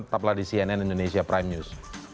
tetaplah di cnn indonesia prime news